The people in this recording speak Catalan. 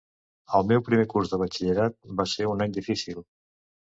El meu primer curs de batxillerat va ser un any difícil.